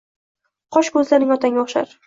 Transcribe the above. Qosh, ko’zlaring otangga o’xshar.